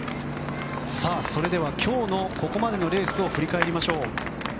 それでは今日のここまでのレースを振り返りましょう。